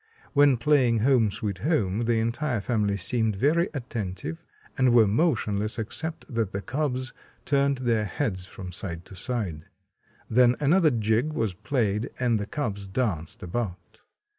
When playing 'Home, Sweet Home,' the entire family seemed very attentive, and were motionless except that the cubs turned their heads from side to side. Then another jig was played and the cubs danced about.